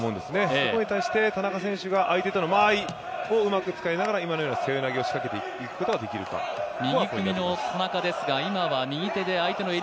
そこに対して田中選手が相手との間合いをうまく使いながら今のような背負い投げを仕掛けていくことができるかがポイントです。